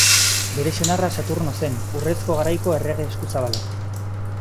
Bere senarra Saturno zen, urrezko garaiko errege eskuzabala.